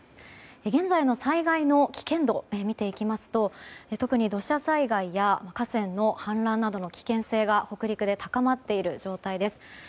現在の災害の危険度を見ていきますと特に土砂災害や河川の氾濫などの危険性が北陸で高まっている状態です。